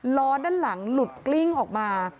ล้อด้านหลังหลุดกลิ้งออกมา